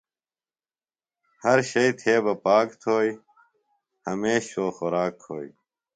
ہر شئیۡ تھےۡ بہ پاک تھوئیۡ۔ ہمیش شوۡ خوراک کھوئیۡ